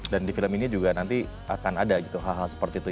dan di film ini juga nanti akan ada gitu hal hal seperti itu